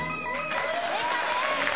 正解です！